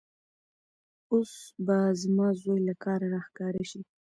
اوس به زما زوی له کاره راښکاره شي.